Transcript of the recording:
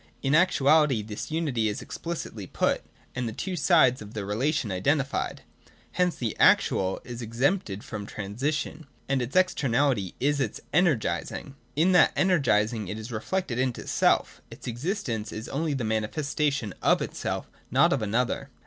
In actuality this unity is explicitly put, and the two sides of the relation identified. Hence the actual is exempted from transition, and its externality is its energising. In that energising it is reflected into itself: its exist ence is only the manifestation of itself, not of an other.